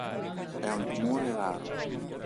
È un tumore raro.